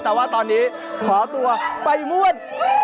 แต่ว่าตอนนี้ขอตัวไปม่วน